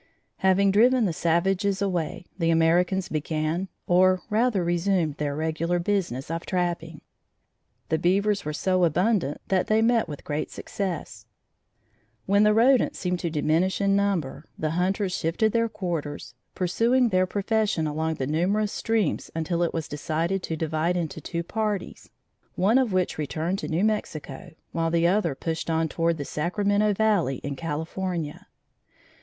Having driven the savages away, the Americans began or rather resumed their regular business of trapping. The beavers were so abundant that they met with great success. When the rodents seemed to diminish in number, the hunters shifted their quarters, pursuing their profession along the numerous streams until it was decided to divide into two parties, one of which returned to New Mexico, while the other pushed on toward the Sacramento Valley in California.